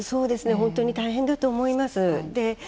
本当に大変だと思います。